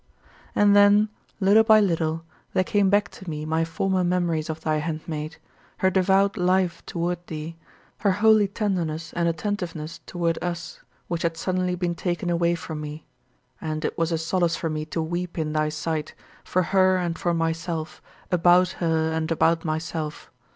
" 33. And then, little by little, there came back to me my former memories of thy handmaid: her devout life toward thee, her holy tenderness and attentiveness toward us, which had suddenly been taken away from me and it was a solace for me to weep in thy sight, for her and for myself, about her and about myself.